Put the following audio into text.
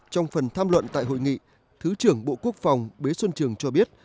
trong phần tham luận tại hội nghị thứ trưởng bộ quốc phòng bế xuân trường cho biết